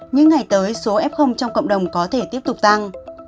những ngày tới số f trong cộng đồng có thể tiếp tục tăng